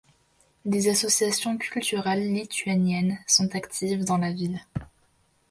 Des associations culturelles lituaniennes sont actives dans la ville.